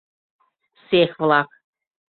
цех-влак